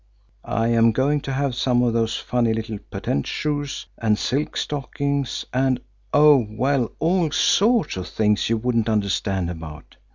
I am going to have some of those funny little patent shoes, and silk stockings and, oh, well, all sorts of things you wouldn't understand about.